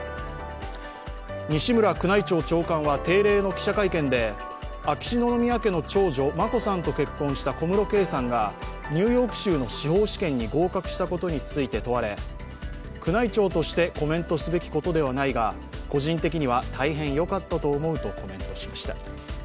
西村宮内庁長官は定例の記者会見で秋篠宮家の長女・眞子さんと結婚した小室圭さんがニューヨーク州の司法試験に合格したことについて問われ宮内庁としてコメントすべきことではないが個人的には大変よかったと思うとコメントしました。